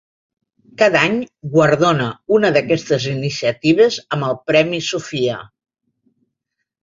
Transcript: Cada any guardona una d'aquestes iniciatives amb el Premi Sofia.